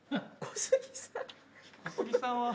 小杉さんは。